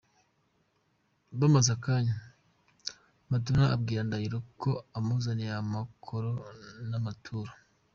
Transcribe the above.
Bamaze akanya, Maduna abwira Ndahiro ko amuzaniye amakoro n’amaturo.